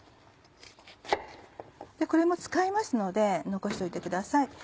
これも使いますので残しておいてください。